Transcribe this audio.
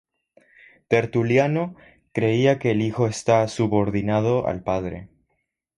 Tertuliano, creía que el Hijo está "subordinado" al Padre.